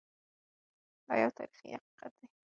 دا یو تاریخي حقیقت دی.